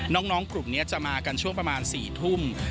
น้องกลุ่มนี้จะมากันช่วงประมาณ๔ทุ่ม